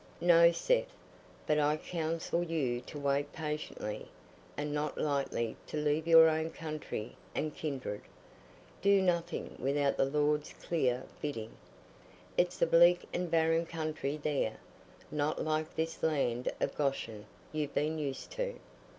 "No, Seth; but I counsel you to wait patiently, and not lightly to leave your own country and kindred. Do nothing without the Lord's clear bidding. It's a bleak and barren country there, not like this land of Goshen you've been used to.